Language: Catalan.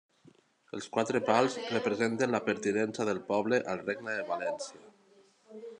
Els quatre pals representen la pertinença del poble al Regne de València.